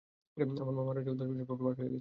আমার মা মারা যাওয়ার দশ বছর পার হয়ে গেছে।